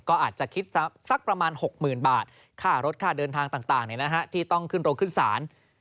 ก็อาจจะคิดสักประมาณ๖๐๐๐บาทค่ารถค่าเดินทางต่างที่ต้องขึ้นโรงขึ้นศาล